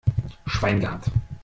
Schwein gehabt!